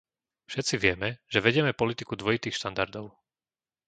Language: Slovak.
Všetci vieme, že vedieme politiku dvojitých štandardov.